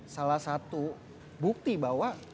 salah satu bukti bahwa